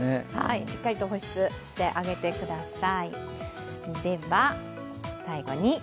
しっかりと保湿してあげてください。